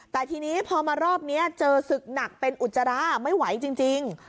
แต่ทีนี้พอมารอบนี้เจอศึกหนักเป็นอุจจาระไม่ไหวจริง